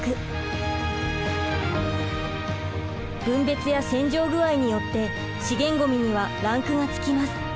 分別や洗浄具合によって資源ごみにはランクがつきます。